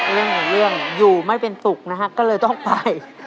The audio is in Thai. เรื่องอยู่ไม่เป็นตุกนะฮะก็เลยต้องไป